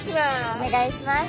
お願いします。